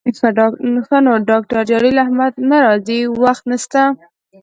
ښه نو ډاکتر جلیل احمد نه راځي، وخت نسته